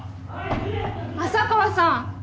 浅川さん！